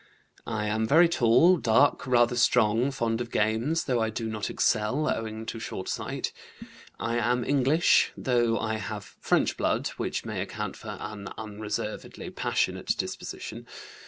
"I am very tall, dark, rather strong, fond of games, though I do not excel, owing to short sight. I am English, though I have French blood, which may account for an unreservedly passionate disposition.